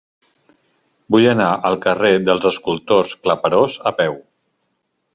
Vull anar al carrer dels Escultors Claperós a peu.